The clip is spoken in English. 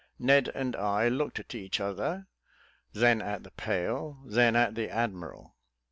Ned and I looked at each other, then at the pail, then at the admiral.